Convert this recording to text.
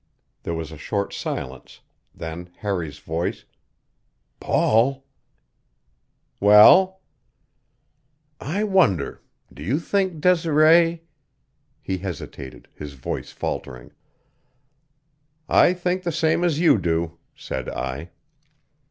There was a short silence, then Harry's voice: "Paul " "Well?" "I wonder do you think Desiree " He hesitated, his voice faltering. "I think the same as you do," said I.